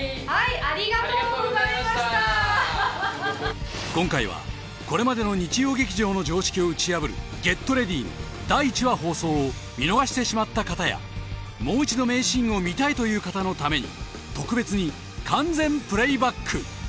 ありがとうございました今回はこれまでの日曜劇場の常識を打ち破る「ＧｅｔＲｅａｄｙ！」の第１話放送を見逃してしまった方やもう一度名シーンを見たいという方のために特別に完全プレイバック！